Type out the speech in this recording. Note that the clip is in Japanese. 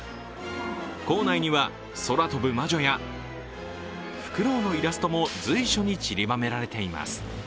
構内には、空飛ぶ魔女やふくろうのイラストも随所にちりばめられています。